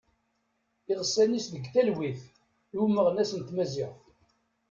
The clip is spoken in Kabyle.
Iɣsan-is deg talwit i umeɣnas n tmaziɣt.